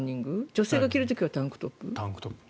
女性が着る時はタンクトップ？